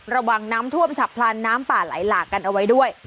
ระวังน้ำท่วมฉับพลันน้ำป่าไหลหลากกันเอาไว้ด้วย